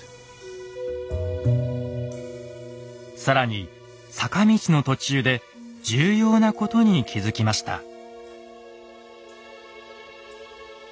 更に坂道の途中で重要なことに気付きました。